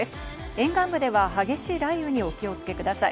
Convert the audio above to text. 沿岸部では激しい雷雨にお気をつけください。